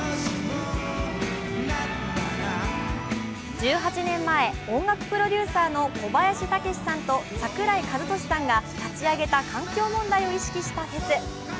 １８年前、音楽プロデューサーの小林武史さんと櫻井和寿さんが立ち上げた、環境問題を意識したフェス。